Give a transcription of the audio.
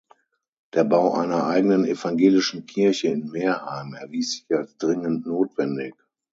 Der Bau einer eigenen evangelischen Kirche in Merheim erwies sich als dringend notwendig.